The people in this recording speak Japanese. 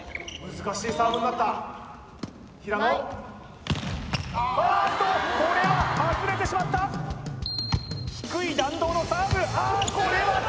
難しいサーブになった平野あっとこれは外れてしまった低い弾道のサーブあっ